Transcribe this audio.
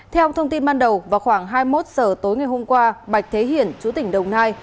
theo thông tin ban đầu vào khoảng hai mươi một h tối ngày hôm qua bạch thế hiển chú tỉnh đồng nai